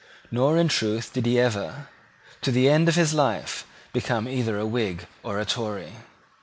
Nor in truth did he ever, to the end of his life, become either a Whig or a Tory.